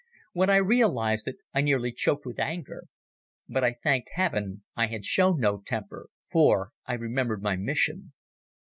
When I realized it I nearly choked with anger. But I thanked heaven I had shown no temper, for I remembered my mission.